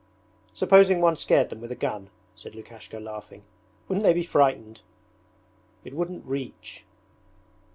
'Supposing one scared them with a gun?' said Lukashka, laughing, 'Wouldn't they be frightened?' 'It wouldn't reach.'